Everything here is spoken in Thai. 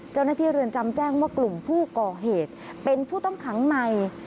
เจ้าหน้าที่เรือนจำแจ้งว่ากลุ่มผู้ก่อเหตุเป็นผู้ต้องขังใหม่